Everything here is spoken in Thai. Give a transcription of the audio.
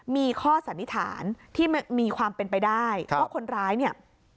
มีข้อสันนิษฐานที่มีความเป็นไปได้ว่าคนร้ายเนี่ย